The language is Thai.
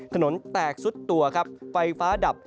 ถนนแตกซุดตัวครับไฟฟ้าดับ